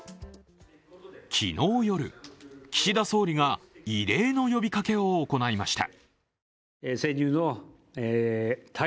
昨日夜、岸田総理が異例の呼びかけを行いました。